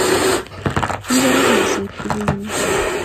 Mi parak meset pukuit nyu